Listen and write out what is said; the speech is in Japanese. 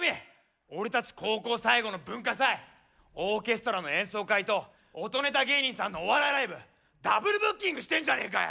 俺たち高校最後の文化祭オーケストラの演奏会と音ネタ芸人さんのお笑いライブダブルブッキングしてんじゃねえかよ！